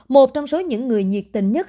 một trong số những người nhiệt tình nhất